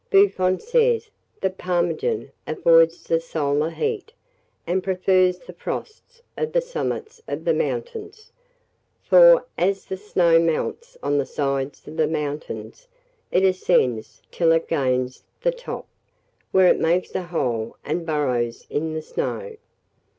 Buffon says that the Ptarmigan avoids the solar heat, and prefers the frosts of the summits of the mountains; for, as the snow melts on the sides of the mountains, it ascends till it gains the top, where it makes a hole, and burrows in the snow.